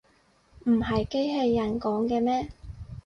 唔係機器人講嘅咩